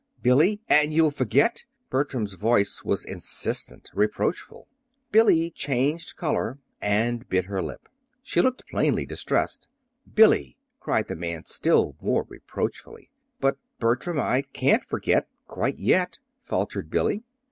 "Billy! And you'll forget?" Bertram's voice was insistent, reproachful. Billy changed color and bit her lip. She looked plainly distressed. "Billy!" cried the man, still more reproachfully. "But, Bertram, I can't forget quite yet," faltered Billy.